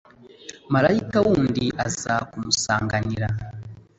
marayika wundi aza kumusanganira